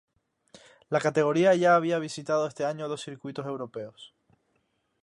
La categoría ya había visitado ese año dos circuitos europeos.